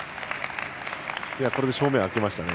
これで、正面当てましたね。